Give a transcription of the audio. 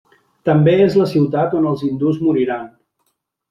També és la ciutat on els hindús moriran.